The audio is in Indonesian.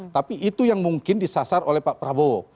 tapi itu yang mungkin disasar oleh pak prabowo